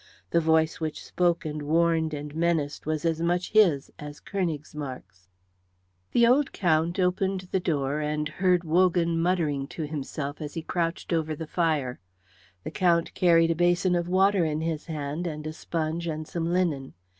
The voice which spoke and warned and menaced was as much his as Königsmarck's. The old Count opened the door and heard Wogan muttering to himself as he crouched over the fire. The Count carried a basin of water in his hand and a sponge and some linen.